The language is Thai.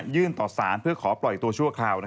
ต่อสารเพื่อขอปล่อยตัวชั่วคราว